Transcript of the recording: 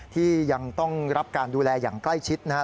ที่ยังต้องรับการดูแลอย่างใกล้ชิดนะฮะ